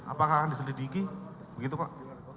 apakah akan diselidiki begitu pak